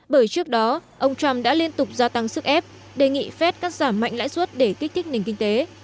bởi trước đó ông trump đã liên tục gia tăng sức ép đề nghị phép cắt giảm mạnh lãi suất để kích thích nền kinh tế